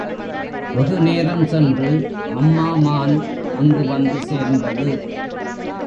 வெகு நேரம் சென்று அம்மா மான் அங்கு வந்து சேர்ந்தது.